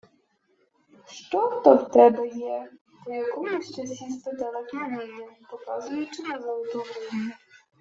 — Що то в тебе є? — по якомусь часі спитала княгиня, показуючи на золоту гривню.